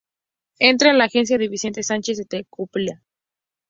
Entra en la agencia de Vicente Sánchez en Tegucigalpa.